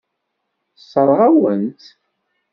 Tessṛeɣ-awen-tt.